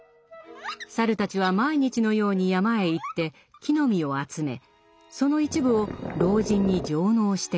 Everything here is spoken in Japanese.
猿たちは毎日のように山へ行って木の実を集めその一部を老人に上納していました。